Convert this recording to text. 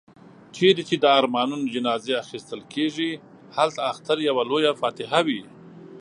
چيري چي د ارمانونو جنازې اخيستل کېږي، هلته اختر يوه لويه فاتحه وي.